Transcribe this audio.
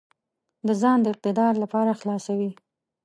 د ځان د اقتدار لپاره خلاصوي.